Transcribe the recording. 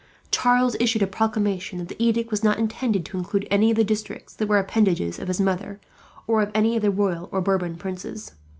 Charles issued a proclamation that the edict was not intended to include any of the districts that were appanages of his mother, or of any of the royal or Bourbon princes.